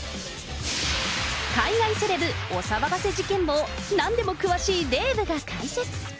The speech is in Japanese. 海外セレブお騒がせ事件簿、なんでも詳しいデーブが解説。